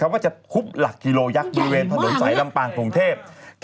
ว่าจะทุบหลักกิโลยักษณ์บริเวณถนนไสด์ลำปางกรุงเทพอย์ถ่ายง่ายมาก